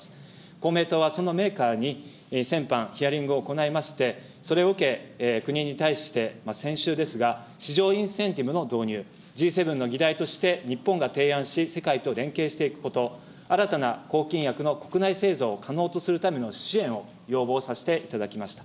公明党はそのメーカーに先般、ヒアリングを行いまして、それを受け、国に対して先週ですが、市場インセンティブの導入、Ｇ７の議題として日本が提案し、世界と連携していくこと、新たな抗菌薬の国内製造を可能とするための支援を要望させていただきました。